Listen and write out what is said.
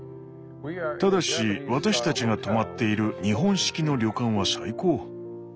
ただし私たちが泊まっている日本式の旅館は最高。